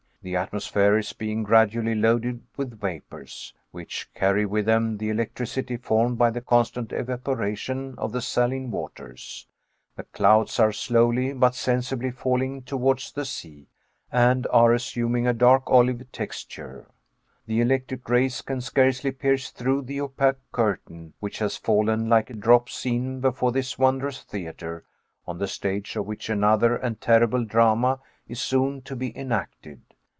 The atmosphere is being gradually loaded with vapors, which carry with them the electricity formed by the constant evaporation of the saline waters; the clouds are slowly but sensibly falling towards the sea, and are assuming a dark olive texture; the electric rays can scarcely pierce through the opaque curtain which has fallen like a drop scene before this wondrous theater, on the stage of which another and terrible drama is soon to be enacted.